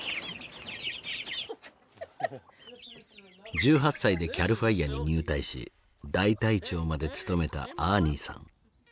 １８歳でＣＡＬＦＩＲＥに入隊し大隊長まで務めたアーニーさん。